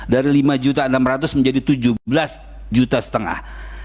dari lima enam ratus menjadi tujuh belas juta setengah